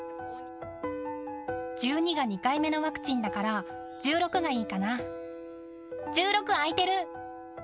１２が２回目のワクチンだか１６空いてる。